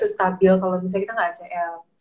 stabil kalau misalnya kita nggak acl